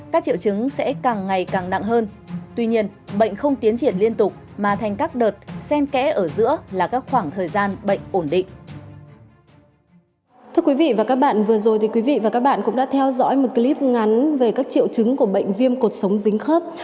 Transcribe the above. thưa quý vị và các bạn vừa rồi thì quý vị và các bạn cũng đã theo dõi một clip ngắn về các triệu chứng của bệnh viêm cột sống dính khớp